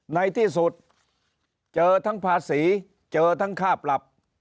ในที่สุดเจอทั้งภาษีเจอทั้งค่าปรับ